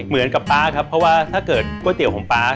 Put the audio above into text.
ป๊าครับเพราะว่าถ้าเกิดก๋วยเตี๋ยวของป๊า